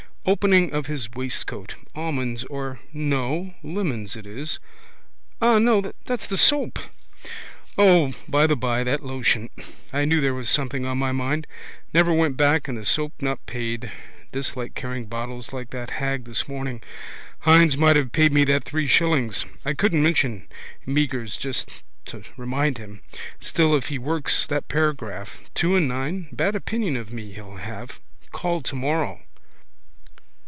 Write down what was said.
Opening of his waistcoat. Almonds or. No. Lemons it is. Ah no, that's the soap. O by the by that lotion. I knew there was something on my mind. Never went back and the soap not paid. Dislike carrying bottles like that hag this morning. Hynes might have paid me that three shillings. I could mention Meagher's just to remind him. Still if he works that paragraph. Two and nine. Bad opinion of me he'll have. Call tomorrow.